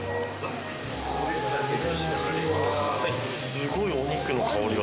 すごいお肉の香りが。